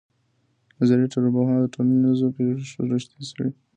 نظري ټولنپوهنه د ټولنیزو پېښو ریښې څېړي.